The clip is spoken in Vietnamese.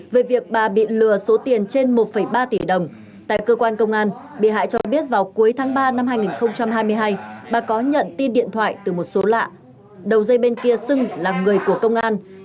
về việc bà bị lừa số tiền trên đường